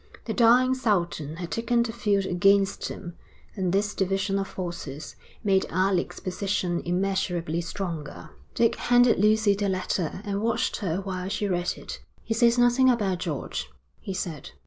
The dying Sultan had taken the field against him, and this division of forces made Alec's position immeasurably stronger. Dick handed Lucy the letter, and watched her while she read it. 'He says nothing about George,' he said.